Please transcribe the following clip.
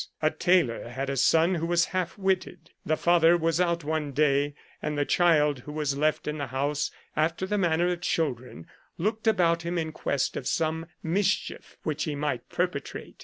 A tailor had a son who was half witted. The father was out one day, and the child, who was left in the house, after the manner of children, looked about him in quest of some mischief which he might perpetrate.